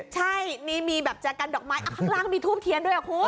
ใช่นี่มีแบบแจกันดอกไม้ข้างล่างมีทูบเทียนด้วยอ่ะคุณ